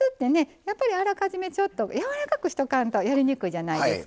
やっぱりあらかじめやわらかくしとかんとやりにくいじゃないですか。